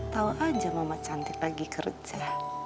tau aja mama cantik lagi kerja